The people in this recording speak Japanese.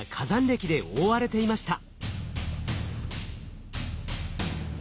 れきで覆われていました。